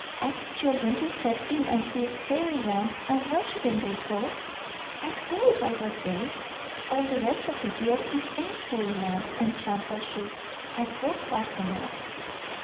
"Ask children to step in and see fairyland, and why shouldn't they go? I'd go if I was they. All the rest of the year it ain't fairyland in Shampuashuh. I'd go fast enough."